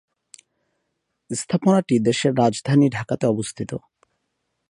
স্থাপনাটি দেশের রাজধানী ঢাকাতে অবস্থিত।